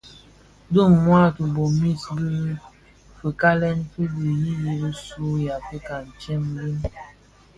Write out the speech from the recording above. Dhi ňwad tibomis bi fikalèn fi bë yiyis bisu u Afrika ntsem mbiň.